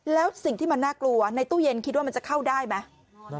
แล้วสิ่งที่มันน่ากลัวในตู้เย็นคิดว่ามันจะเข้าได้ไหม